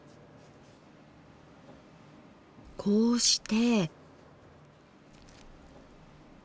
こうして。